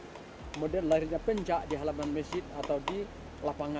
kemudian lahirnya pencak di halaman masjid atau di lapangan